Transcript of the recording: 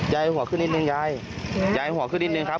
หัวขึ้นนิดนึงยายยายหัวขึ้นนิดนึงครับ